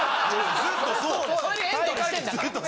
ずっとそうやし。